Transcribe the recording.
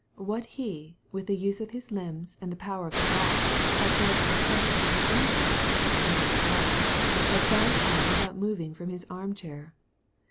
What he, with the use of his limbs, and the power of the law, had failed to discover, this invalid — as he might be called — ^had found out without moving from his armchair.